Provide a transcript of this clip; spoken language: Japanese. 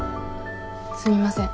すみません。